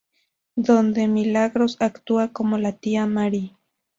Donde Milagros actúa como la tía Mary.